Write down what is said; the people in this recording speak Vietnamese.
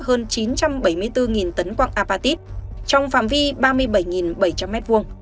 hơn chín trăm bảy mươi bốn tấn quạng apatit trong phạm vi ba mươi bảy bảy trăm linh m hai